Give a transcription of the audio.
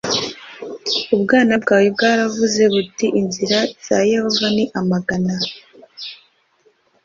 ubwana bwawe bwaravuze buti inzira za yehova ni amagana